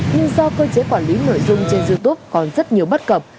nhưng do cơ chế quản lý nội dung trên youtube còn rất nhiều bất cập